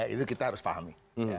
itu kita harus pahami